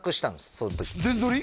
その時全ぞり？